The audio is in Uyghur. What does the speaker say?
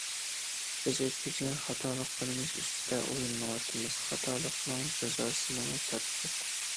بىز ئۆتكۈزگەن خاتالىقلىرىمىز ئۈستىدە ئويلىنىۋاتىمىز، خاتالىقنىڭ جازاسىنىمۇ تارتتۇق.